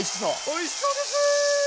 おいしそうです！